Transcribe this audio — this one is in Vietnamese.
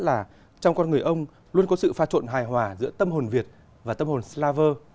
là trong con người ông luôn có sự pha trộn hài hòa giữa tâm hồn việt và tâm hồn slaver